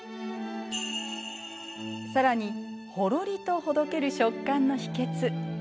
更にほろりとほどける食感の秘けつ。